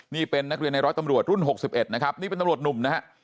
นี่เป็นนักเรียนในร้อยตำรวจรุ่น๖๑นะครับนี่เป็นตำรวจหนุ่มนะฮะ